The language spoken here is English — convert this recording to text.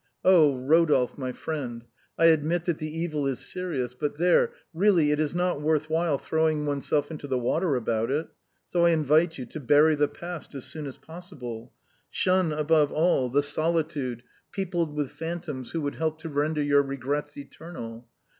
Oh ! Rodolphe, my friend, I admit that the evil is serious, but there, really it is not worth while throwing oneself into the water about it. So I invite you to bury the past as soon as possible. Shun above all the solitude peopled with phan toms who would help to render your regrets eternal.